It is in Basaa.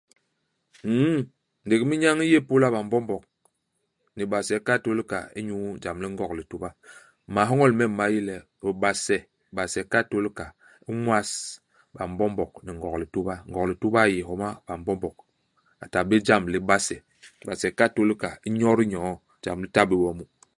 Nn. Ndék i minyañ i yé ipôla BaMbombog ni base i Katôlika inyu jam li Ngog-Lituba. Mahoñol mem ma yé le bibase base i Katôlika i ñwas BaMbombog ni Ngog-Lituba. Ngog-Lituba i yé homa BaMbombog. A ta bé jam li base. Base i Katôlika i nyodi nyoo. Jam li ta bé bo mu.